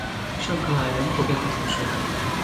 圣克莱人口变化图示